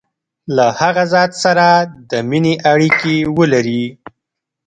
له هغه ذات سره د مینې اړیکي ولري.